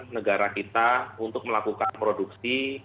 negara kita untuk melakukan produksi